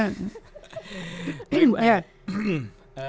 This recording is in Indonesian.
sebelum kita tanya nih bu aya